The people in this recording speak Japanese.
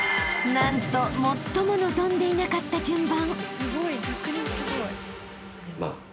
［なんと最も望んでいなかった順番］